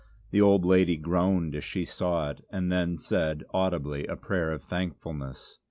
The old lady groaned as she saw it, and then said audibly a prayer of thankfulness.